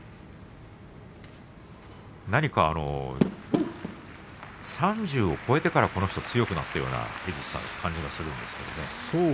何か、３０を超えてからこの人は強くなったような感じがするんですけれどね。